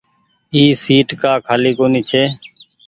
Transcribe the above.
اي سيٽ ڪآ کآلي ڪونيٚ ڇي۔